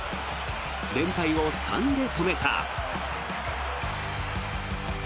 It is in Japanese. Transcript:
連敗を３で止めた。